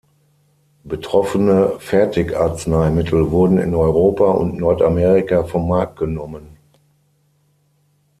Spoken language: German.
Betroffene Fertigarzneimittel wurden in Europa und Nordamerika vom Markt genommen.